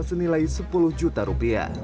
senilai sepuluh juta rupiah